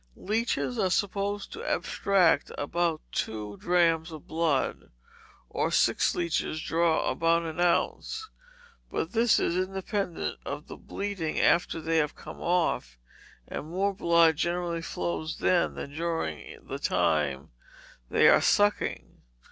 Leeches are supposed to abstract about two drachms of blood, or six leeches draw about an ounce; but this is independent of the bleeding after they have come off, and more blood generally flows then than during the time they are sucking.